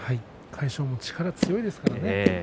魁勝も力強いですからね。